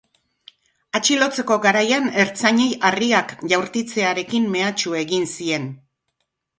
Atxilotzeko garaian ertzainei harriak jaurtitzearekin mehatxu egin zien.